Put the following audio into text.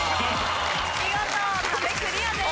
見事壁クリアです。